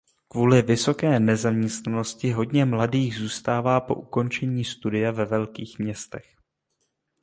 Kvůli vysoké nezaměstnanosti hodně mladých zůstává po ukončení studia ve velkých městech.